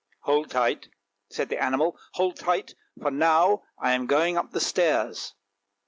" Hold tight," said the animal, " hold tight, for now I am going up the stairs."